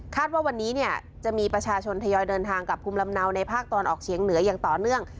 ว่าวันนี้เนี่ยจะมีประชาชนทยอยเดินทางกับภูมิลำเนาในภาคตะวันออกเฉียงเหนืออย่างต่อเนื่อง